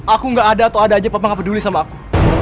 aku gak ada atau ada aja papa nggak peduli sama aku